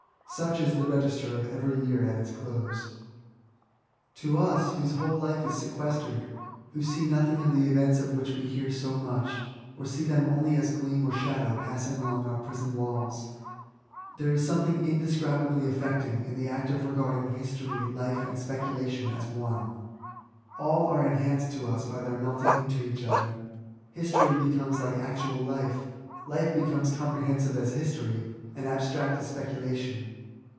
Such is the register of every year at its close. To us, whose whole life is sequestered, — ^who see nothing of the events of which we hear so much, or see them only as gleam or shadow passing along our prison walls, there is something indescribably affecting in the act of regarding History, Life, and Speculation as one. All are 90 ESSAYS, enhanced to us by their melting into each other. History becomes like actual life; .life becomes comprehensive as history^ and abstract as specula tion.